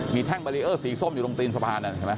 มีแท่งเบรียร์สีส้มอยู่ตรงตีนสะพานนั้นใช่ไหม